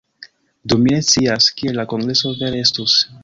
Do mi ne scias, kiel la kongreso vere estus.